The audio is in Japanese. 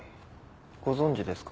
ご存じですか？